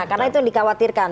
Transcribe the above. karena itu yang dikhawatirkan